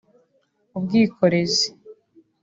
ubwikorezi